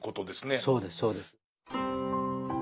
そうですそうです。